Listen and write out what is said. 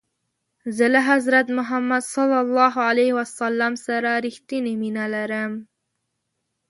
زه له حضرت محمد ص سره رښتنی مینه لرم.